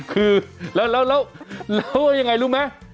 คือแล้วว่ายังไงรู้ไหม